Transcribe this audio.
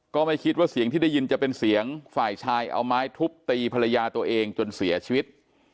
ก็ไม่คิดว่าเสียงที่ได้ยินจะเป็นเสียงฝ่ายชายเอาไม้ทุบตีภรรยาตัวเองจนเสียชีวิต